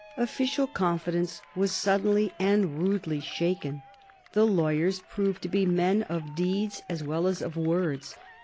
Official confidence was suddenly and rudely shaken. The lawyers proved to be men of deeds as well as of words.